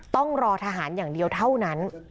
ต้องรอทหารอย่างเดียวเท่านั้น